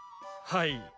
はい。